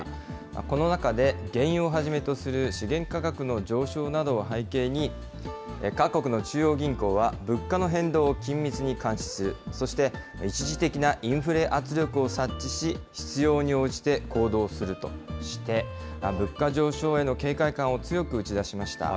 この中で、原油をはじめとする資源価格の上昇などを背景に、各国の中央銀行は物価の変動を緊密に監視する、そして一時的なインフレ圧力を察知し、必要に応じて行動するとして、物価上昇への警戒感を強く打ち出しました。